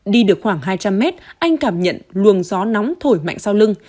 đi được khoảng hai trăm linh mét anh cảm nhận luồng gió nóng thổi mạnh sau lưng